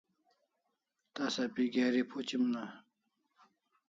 Tasa pi geri phuchiman